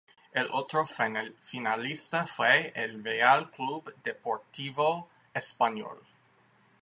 El otro finalista fue el Real Club Deportivo Español.